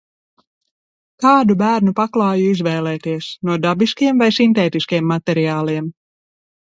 Kādu bērnu paklāju izvēlēties – no dabiskiem vai sintētiskiem materiāliem?